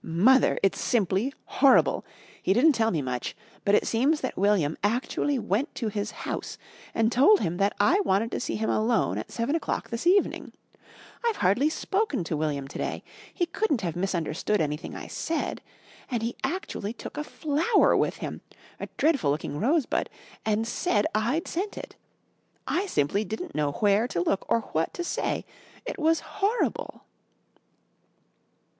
"Mother, it's simply horrible! He didn't tell me much, but it seems that William actually went to his house and told him that I wanted to see him alone at seven o'clock this evening. I've hardly spoken to William to day. He couldn't have misunderstood anything I said. And he actually took a flower with him a dreadful looking rosebud and said I'd sent it. I simply didn't know where to look or what to say. It was horrible!"